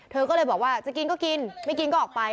เธอก็เลยบอกว่าจะกินก็กินไม่กินก็ออกไป